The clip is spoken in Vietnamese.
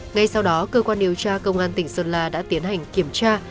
ngay sau đó cơ quan điều tra công an tỉnh sơn la đã tiến hành kiểm tra